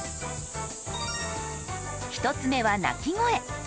１つ目は鳴き声。